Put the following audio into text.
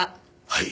はい。